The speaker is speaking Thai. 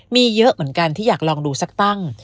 มีเยอะเหมือนกันที่อยากลองดูสักตั้ง